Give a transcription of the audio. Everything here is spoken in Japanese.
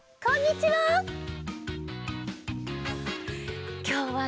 こんにちは！